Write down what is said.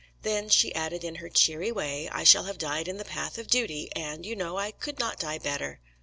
"'Then,' she added, in her cheery way, 'I shall have died in the path of duty, and, you know, I could not die better.'